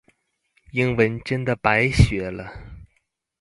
英文真的白學了